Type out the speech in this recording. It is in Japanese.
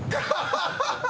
ハハハハ。